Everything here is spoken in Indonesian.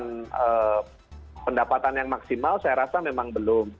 dengan pendapatan yang maksimal saya rasa memang belum